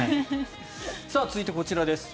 続いて、こちらです。